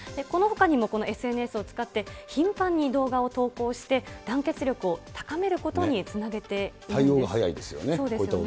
このほかにもこのＳＮＳを使って、頻繁に動画を投稿して、団結力を高めることにつなげているんです。